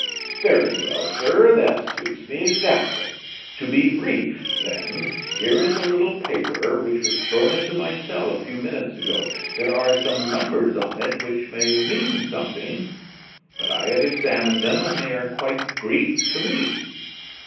"Very well, sir, that suits me exactly. To be brief, then here is a little paper which was thrown into my cell a few minutes ago. There are some numbers on it which may mean something; but I have examined them, and they are quite Greek to me."